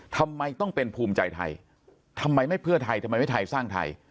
ทำไมต้องเป็นภูมิใจไทยทำไมไม่เพื่อไทยทำไมไม่ไทยสร้างไทย